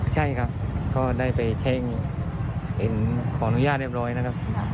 ใช่ครับก็ได้ไปเห็นขออนุญาตเรียบร้อยนะครับ